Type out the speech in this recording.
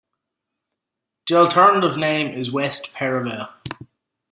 The alternative name is "West Perivale".